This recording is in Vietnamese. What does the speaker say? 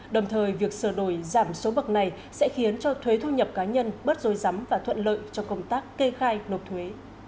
đồng thời việc sửa đổi giảm số bậc này sẽ khiến cho thuế thu nhập cá nhân bớt dối dắm và thuận lợi cho công tác kê khai nộp thuế